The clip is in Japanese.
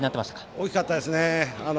大きかったですね。